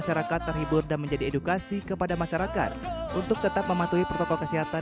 jadi kita mencoba mengedukasi masyarakat melalui lagu tersebut gitu